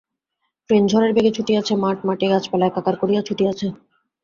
Train ঝড়ের বেগে ছুটিয়াছে-মাঠ, মাটি, গাছপালা একাকার করিয়া ছুটিয়াছে।